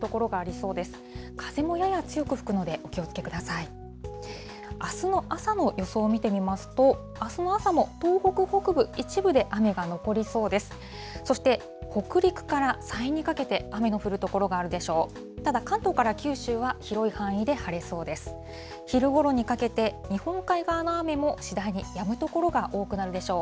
そして北陸から山陰にかけて雨の降る所があるでしょう。